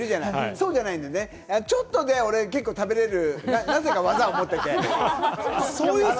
そうじゃないのね、ちょっとで俺、結構食べれるなぜか技を持ってて。